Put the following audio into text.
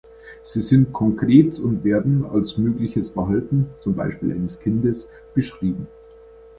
Sie sind konkret und werden als mögliches Verhalten (zum Beispiel eines Kindes) beschrieben.